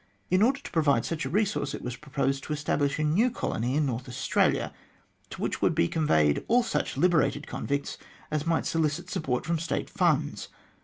In order to provide such a resource, it was proposed to establish a new colony in North Australia, to which would be conveyed all such liberated convicts as might solicit support from State funds.